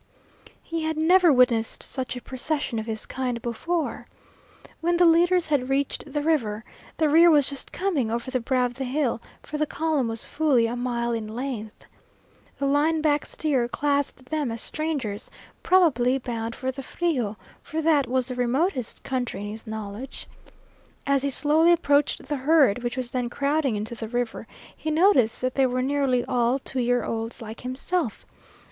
He had never witnessed such a procession of his kind before. When the leaders had reached the river, the rear was just coming over the brow of the hill, for the column was fully a mile in length. The line back steer classed them as strangers, probably bound for the Frio, for that was the remotest country in his knowledge. As he slowly approached the herd, which was then crowding into the river, he noticed that they were nearly all two year olds like himself.